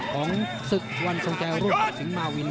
ของศึกวันต์ทรงชัยรุ่นนิสธิ์สิงหมาวิน